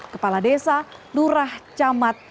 kepala desa lurah jahat